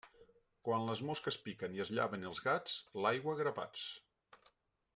Quan les mosques piquen i es llaven els gats, l'aigua a grapats.